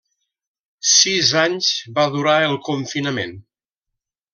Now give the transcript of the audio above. Sis anys va durar el confinament.